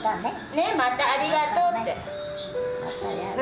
ねまたありがとうって。